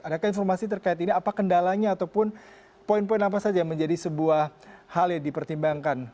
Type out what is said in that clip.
adakah informasi terkait ini apa kendalanya ataupun poin poin apa saja yang menjadi sebuah hal yang dipertimbangkan